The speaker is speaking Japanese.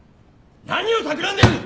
何をたくらんでる！？